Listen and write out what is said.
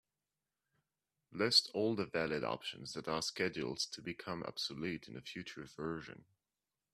List all the valid options that are scheduled to become obsolete in a future version.